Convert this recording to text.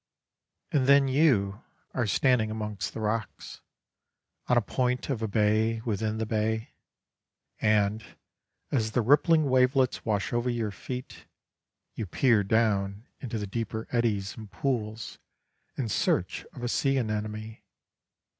And then you are standing amongst the rocks, on a point of a bay within the bay; and, as the rippling wavelets wash over your feet, you peer down into the deeper eddies and pools in search of a sea anemone.